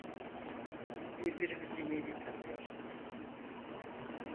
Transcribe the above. Birbirimizi yeni tanıyoruz.